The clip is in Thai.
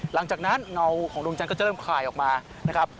หลังจากนั้นเงาของดวงจันทร์ก็จะเริ่มคลายออกมานะครับ